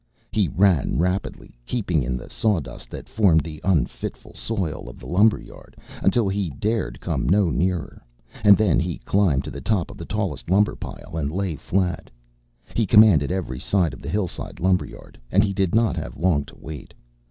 He ran rapidly, keeping in the sawdust that formed the unfruitful soil of the lumber yard, until he dared come no nearer, and then he climbed to the top of the tallest lumber pile and lay flat. He commanded every side of the hillside lumber yard, and he did not have long to wait.